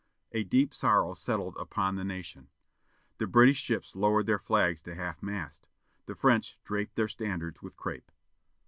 A deep sorrow settled upon the nation. The British ships lowered their flags to half mast. The French draped their standards with crape.